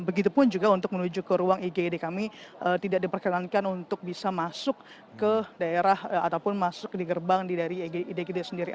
begitupun juga untuk menuju ke ruang igd kami tidak diperkenankan untuk bisa masuk ke daerah ataupun masuk di gerbang dari idgd sendiri